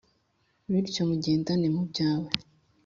bityo mujyendane mu byawe